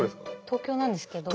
東京なんですけど。